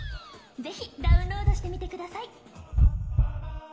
是非ダウンロードしてみてください